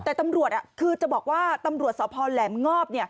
แต่ตำรวจคือจะบอกว่าตำรวจสพแหลมงอบ